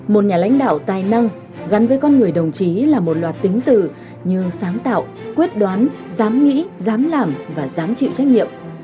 một nhà lãnh đạo tài năng gắn với con người đồng chí là một loạt tính từ như sáng tạo quyết đoán dám nghĩ dám làm và dám chịu trách nhiệm